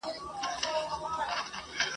اووه کاله خلکو وکرل کښتونه !.